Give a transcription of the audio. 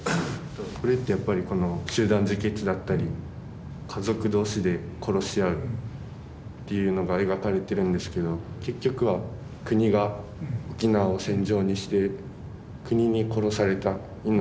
これってやっぱり集団自決だったり家族同士で殺し合うっていうのが描かれてるんですけど結局は国が沖縄を戦場にして国に殺された命。